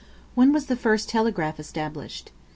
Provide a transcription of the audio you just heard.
When was the first telegraph established?